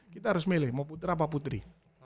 kita harus milih mau putra apa putri